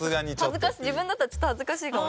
自分だったらちょっと恥ずかしいかも。